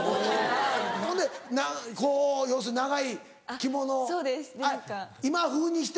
ほんでこう要するに長い着物今風にして？